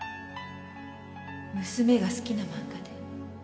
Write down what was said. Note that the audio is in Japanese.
娘が好きな漫画で。